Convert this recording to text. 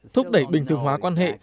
thúc đẩy bình thường hóa quan hệ